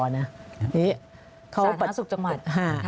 สถาสุขจังหวัด